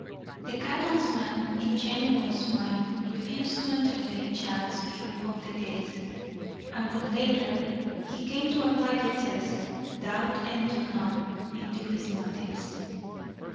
The cattleman's ingenuous mind refused to entertain Chad's view of the case, and when, later, he came to apply the test, doubt entered not into his motives.